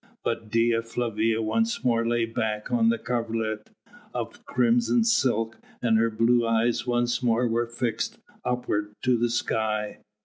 But Dea Flavia once more lay back on the coverlet of crimson silk and her blue eyes once more were fixed upwards to the sky.